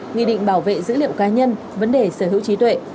nghị định bảo vệ dữ liệu cá nhân vấn đề sở hữu trí tuệ